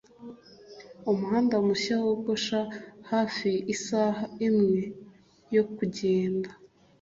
umuhanda mushya wogosha hafi isaha imwe yo kugenda